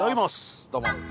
どうも。